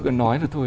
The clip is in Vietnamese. cứ nói là thôi